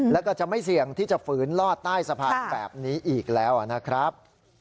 แล้วก็จะไม่เสี่ยงที่จะฝืนลอดใต้สะพานแบบนี้อีกแล้วนะครับ